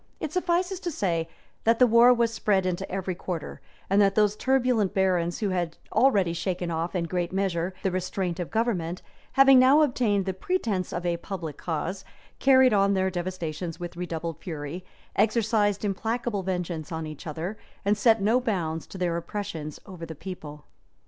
It suffices to say, that the war was spread into every quarter; and that those turbulent barons, who had already shaken off, in a great measure, the restraint of government, having now obtained the pretence of a public cause, carried on their devastations with redoubled fury, exercised implacable vengeance on each other, and set no bounds to their oppressions over the people.